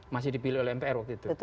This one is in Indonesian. masih dipilih oleh mpr waktu itu